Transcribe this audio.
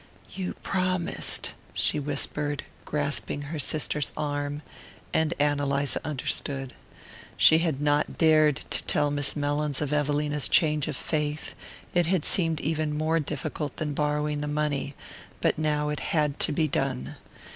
"You promised," she whispered, grasping her sister's arm; and Ann Eliza understood. She had not yet dared to tell Miss Mellins of Evelina's change of faith; it had seemed even more difficult than borrowing the money; but now it had to be done.